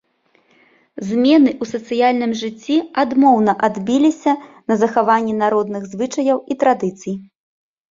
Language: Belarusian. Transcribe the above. Змены ў сацыяльным жыцці адмоўна адбіліся на захаванні народных звычаяў і традыцый.